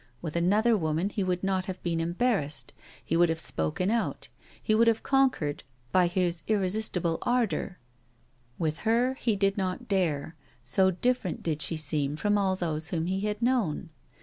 With another woman he would not have been embarrassed; he would have spoken out; he would have conquered by his irresistible ardor; with her he did not dare, so different did she seem from all those whom he had known.